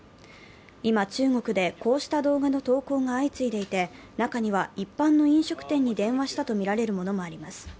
今、中国でこうした動画の投稿が相次いでいて中には、一般の飲食店に電話したとみられるものもあります。